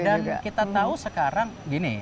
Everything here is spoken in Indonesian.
iya dan kita tahu sekarang gini